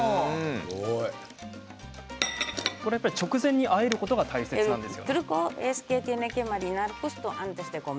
これは直前にあえることが大切なんですか？